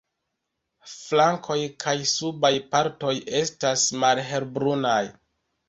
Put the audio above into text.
Flankoj kaj subaj partoj estas malhelbrunaj.